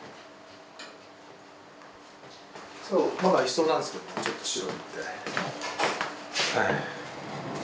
まだ一層なんですけどちょっと白塗って。